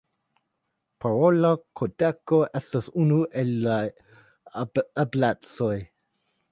Parola kodeko estas unu el la eblecoj.